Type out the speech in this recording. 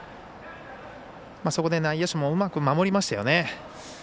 そこで内野手もうまく守りましたよね。